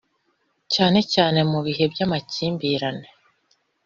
cyane cyane mu bihe by’amakimbirane